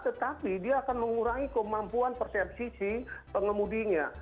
tetapi dia akan mengurangi kemampuan persepsi si pengemudinya